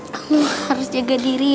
kamu harus jaga diri ya